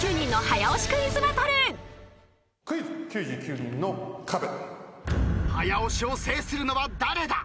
早押しを制するのは誰だ？